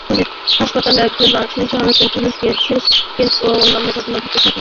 হাসপাতালের একজন নার্সের সহায়তায় পুলিশ কেস এবং অন্যান্য ঘটনা ঘটতে থাকে।